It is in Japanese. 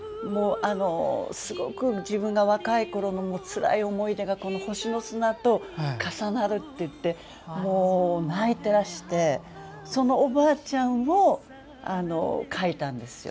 すごく自分が若いころのつらい思い出が「星の砂」と重なると言って泣いていらしてそのおばあちゃんを書いたんです。